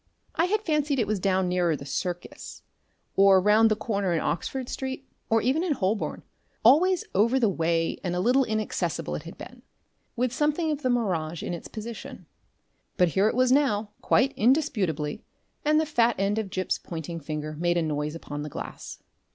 I had fancied it was down nearer the Circus, or round the corner in Oxford Street, or even in Holborn; always over the way and a little inaccessible it had been, with something of the mirage in its position; but here it was now quite indisputably, and the fat end of Gip's pointing finger made a noise upon the glass.